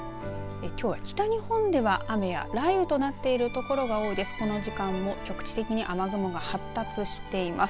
きょうは北日本では雨や雷雨となっているところが多いです。